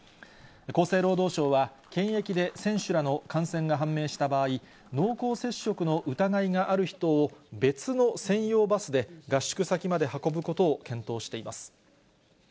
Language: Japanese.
厚生労働省は、検疫で選手らの感染が判明した場合、濃厚接触の疑いがある人を、別の専用バスで合宿先まで運ぶことを検討しています。